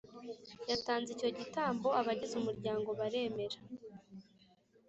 yatanze icyo gitambo abagize umuryango baremera